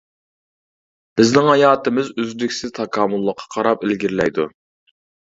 بىزنىڭ ھاياتىمىز ئۆزلۈكسىز تاكامۇللۇققا قاراپ ئىلگىرىلەيدۇ.